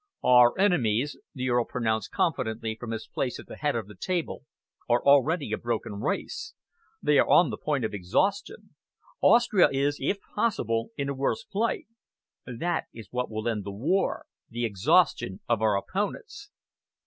"Our enemies," the Earl pronounced confidently from his place at the head of the table, "are already a broken race. They are on the point of exhaustion. Austria is, if possible, in a worse plight. That is what will end the war the exhaustion of our opponents."